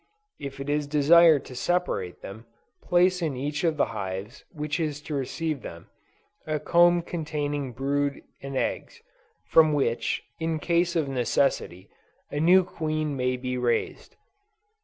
If it is desired to separate them, place in each of the hives which is to receive them, a comb containing brood and eggs, from which, in case of necessity, a new queen may be raised.